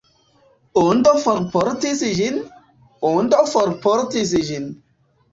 Ondo forportis ĝin, Ondo forportis ĝin.